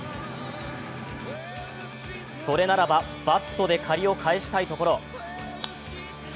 それならばバットで借りを返したいところ。